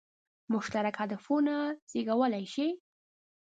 مشترک هدفونه زېږولای شي.